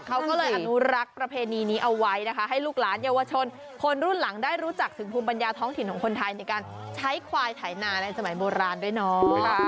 เขาก็เลยอนุรักษ์ประเพณีนี้เอาไว้นะคะให้ลูกหลานเยาวชนคนรุ่นหลังได้รู้จักถึงภูมิปัญญาท้องถิ่นของคนไทยในการใช้ควายไถนาในสมัยโบราณด้วยเนาะ